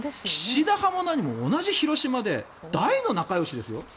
岸田派も何も同じ広島で大の仲よしですよ。